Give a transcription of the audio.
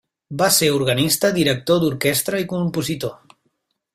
Va ser organista, director d'orquestra i compositor.